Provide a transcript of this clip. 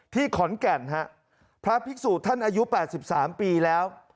ที่ขอนแก่นฮะพระภิกษุท่านอายุแปดสิบสามปีแล้ว